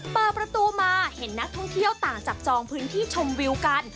เปิดประตูมาเห็นนักท่องเที่ยวต่างจับจองพื้นที่ชมวิวกัน